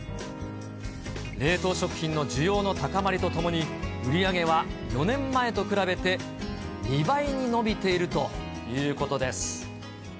冷凍食品の需要の高まりとともに、売り上げは４年前と比べて２倍に伸びているということです。